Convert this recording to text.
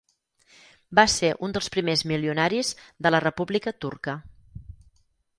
Va ser un dels primers milionaris de la República Turca.